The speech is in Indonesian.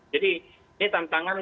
jadi ini tantangan